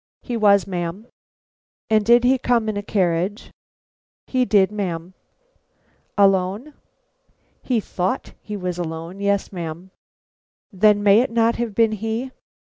"He was, ma'am." "And did he come in a carriage?" "He did, ma'am." "Alone?" "He thought he was alone; yes, ma'am." "Then may it not have been he?"